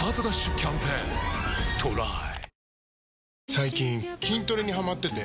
最近筋トレにハマってて。